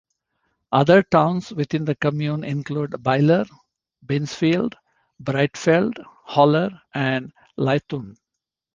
Other towns within the commune include Beiler, Binsfeld, Breidfeld, Holler, and Leithum.